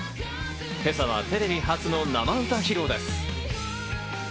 今朝はテレビ初の生歌披露です。